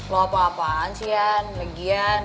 lo apa apaan sih yan legian